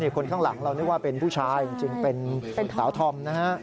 คนข้างหลังเรานึกว่าเป็นผู้ชายจริงเป็นสาวธอมนะฮะ